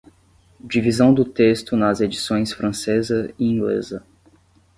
Divisão do texto nas edições francesa e inglesa